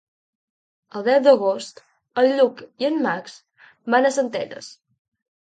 El deu d'agost en Lluc i en Max van a Centelles.